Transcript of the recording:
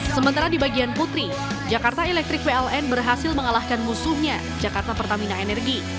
sementara di bagian putri jakarta electric pln berhasil mengalahkan musuhnya jakarta pertamina energi